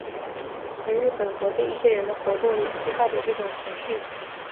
而日本国内一些人的活动也激发着这种情绪。